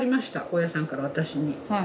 大家さんから私に。